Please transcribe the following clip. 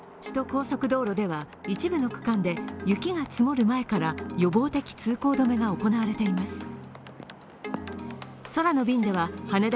首都高速道路では、一部の区間で雪が積もる前から予防的通行止めが行われています。